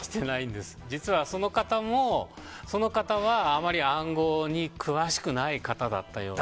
実はその方はあまり暗号に詳しくない方だったようで。